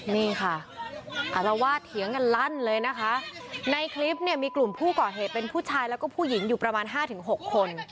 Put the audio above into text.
นี่ค่ะอารวาสเถียงกันลั่นเลยนะคะในคลิปเนี่ยมีกลุ่มผู้ก่อเหตุเป็นผู้ชายแล้วก็ผู้หญิงอยู่ประมาณห้าถึงหกคน